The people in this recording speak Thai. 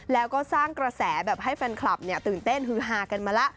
แล้วก็สร้างกระแสแบบให้แฟนคลับตื่นเต้นฮือฮากันมาแล้ว